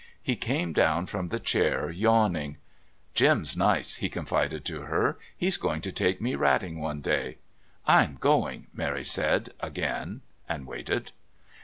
He came down from the chair yawning. "Jim's nice," he confided to her. "He's going to take me ratting one day!" "I'm going," Mary said again, and waited.